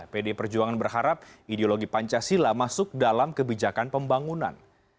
pdi perjuangan berharap ideologi pancasila masuk dalam kebijakan pembangunan